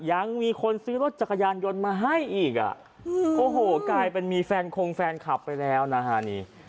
ยังมีคนซื้อรถจักรยานยนต์มาให้อีกอ่ะโอ้โหกลายเป็นมีแฟนคงแฟนคลับไปแล้วนะฮะนี่